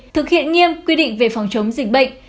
thực hiện nghiêm quy định về phòng chống dịch bệnh